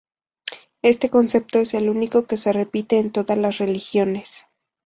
Este concepto es el único que se repite en todas las religiones.